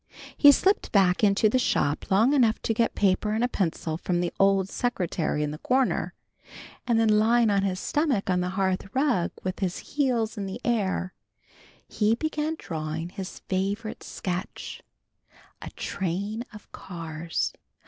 He slipped back into the shop long enough to get paper and a pencil from the old secretary in the corner, and then lying on his stomach on the hearth rug with his heels in the air, he began drawing his favorite sketch, a train of cars.